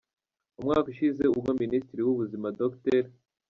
Umwaka ushize ubwo Minisitiri w’Ubuzima Dr.